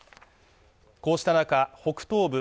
こうした中北東部